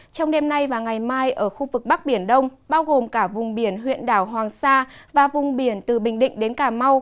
trong đêm nay và ngày mai ở khu vực bắc biển đông bao gồm cả vùng biển huyện đảo hoàng sa và vùng biển từ bình định đến cà mau